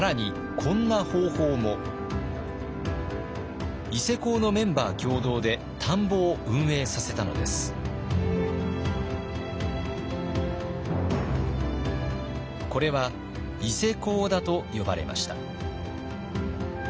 これは伊勢講田と呼ばれました。